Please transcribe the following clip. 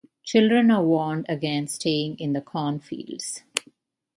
Children are warned against straying in the cornfields.